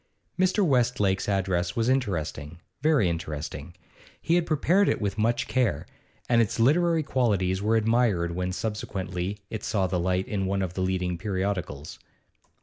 Mr. Westlake's address was interesting, very interesting; he had prepared it with much care, and its literary qualities were admired when subsequently it saw the light in one of the leading periodicals.